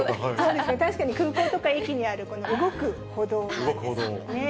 確かに空港とか駅にあるこの動く歩道ですよね。